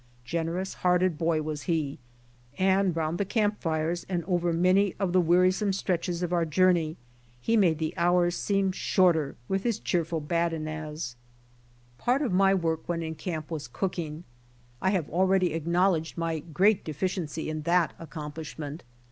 Generous hearted boy was he, and round the camp fires and over many of the wearisome stretches of our journey he made the hours seem shorter with his cheerful badinage. 12 BY OX TEAM TO CALIFORNIA Part of my work when in camp was cooking. 1 have already acknowledged my great deficiency in that accomplishment.